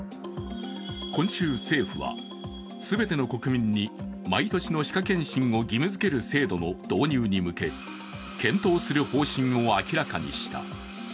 今週政府は、全ての国民に毎年の歯科検診を義務づける制度の導入に向け、検討する方針を明らかにした。